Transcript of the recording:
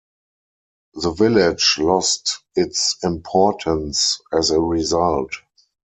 The village lost its importance as a result.